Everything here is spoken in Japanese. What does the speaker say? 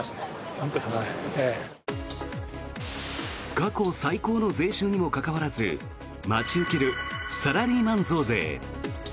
過去最高の税収にもかかわらず待ち受けるサラリーマン増税。